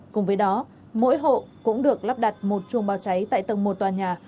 cùng với đó mỗi hộ cũng được lắp đặt một chuồng bao cháy tại tầng một tòa nhà